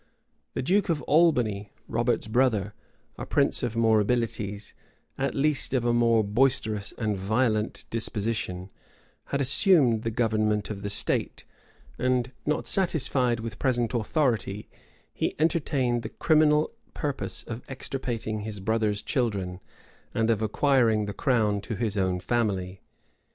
The duke of Albany, Robert's brother, a prince of more abilities, at least of a more boisterous and violent disposition, had assumed the government of the state; and, not satisfied with present authority, he entertained the criminal purpose of extirpating his brother's children, and of acquiring the crown to his own family.